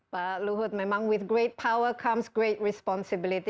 pak luhut memang dengan kuat kekuatan datang kekuatan yang besar